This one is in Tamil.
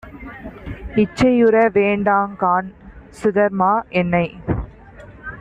இச்சையுற வேண்டாங்காண் சுதர்மா. என்னைப்